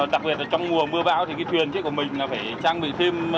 đặc biệt là trong mùa mưa bão thì cái thuyền chết của mình phải trang bị thêm